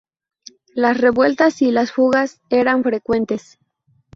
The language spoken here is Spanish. Las revueltas y las fugas eran frecuentes.